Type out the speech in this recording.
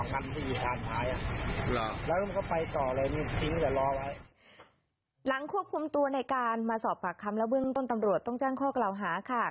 หลังควบคุมตัวในการมาสอบปากคำและเบื้องต้นตำรวจต้องแจ้งข้อกล่าวหาค่ะ